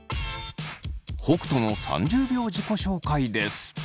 北斗の３０秒自己紹介です。